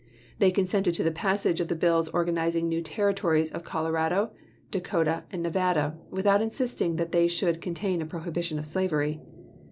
They consented to the passage of the bills organizing the new Territories of Colorado, Dakota, and Nevada, without insisting that they should contain a prohibition of slavery.